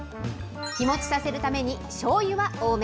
日持ちさせるために、しょうゆは多め。